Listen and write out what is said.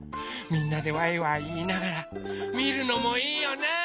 みんなでワイワイいいながらみるのもいいよね！